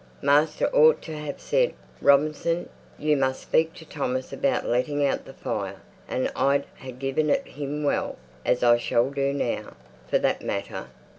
Master ought to have said, 'Robinson! you must speak to Thomas about letting out the fire,' and I'd ha' given it him well, as I shall do now, for that matter.